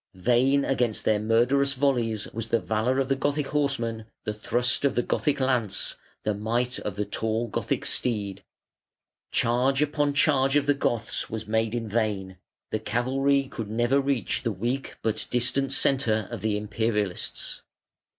Vain against their murderous volleys was the valour of the Gothic horseman, the thrust of the Gothic lance, the might of the tall Gothic steed. Charge upon charge of the Goths was made in vain; the cavalry could never reach the weak but distant centre of the Imperialists.